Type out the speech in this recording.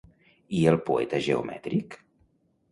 I El poeta geomètric?